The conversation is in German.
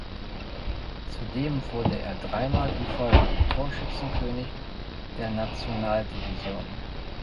Zudem wurde er dreimal in Folge Torschützenkönig der Nationaldivision.